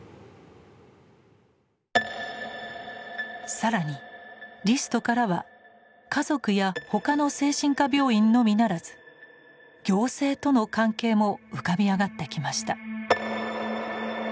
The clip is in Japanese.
更にリストからは家族や他の精神科病院のみならず行政との関係も浮かび上がってきました。